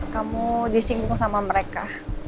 kamu disinggung sama mereka